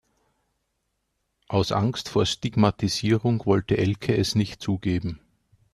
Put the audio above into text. Aus Angst vor Stigmatisierung wollte Elke es nicht zugeben.